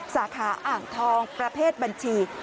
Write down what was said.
สาขาอ่างทองประเภทบัญชี